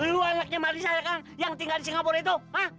lo anaknya marissa kan yang tinggal di singapura itu